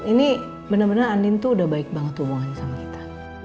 ini bener bener andien tuh udah baik banget hubungannya sama kita